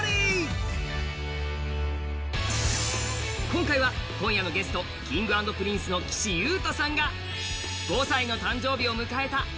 今回は今夜のゲストＫｉｎｇ＆Ｐｒｉｎｃｅの岸優太さんが５歳の誕生日を迎えた